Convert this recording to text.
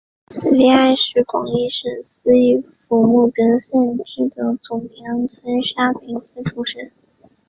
黎艾是广义省思义府慕德县知德总平安村沙平邑出生。